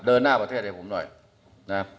เดินหน้าประเทศให้ผมหน่อยนะ